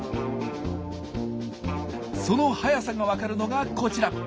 その速さが分かるのがこちら。